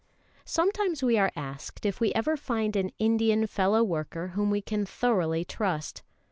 Sometimes we are asked if we ever find an Indian fellow worker whom we can thoroughly trust.